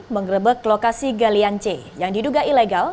mengerebek lokasi galian c yang diduga ilegal